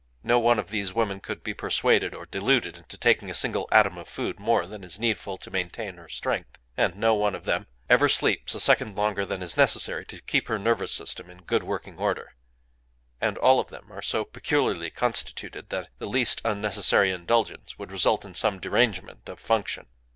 No one of these women could be persuaded or deluded into taking a single atom of food more than is needful to maintain her strength; and no one of them ever sleeps a second longer than is necessary to keep her nervous system in good working order. And all of them are so peculiarly constituted that the least unnecessary indulgence would result in some derangement of function.